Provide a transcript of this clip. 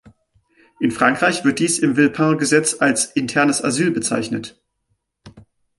In Frankreich wird dies im Villepin-Gesetz als "internes Asyl" bezeichnet!